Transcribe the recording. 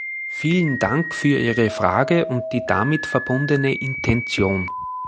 Vielen Dank für Ihre Frage und die damit verbundene Intention.